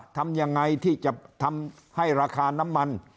ทำยังไงที่จะทำให้ราคาน้ำมัน